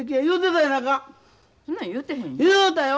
そんなん言うてへんよ。